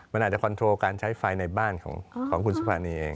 มันอาจจะคอนโทรการใช้ไฟในบ้านของคุณสุภานีเอง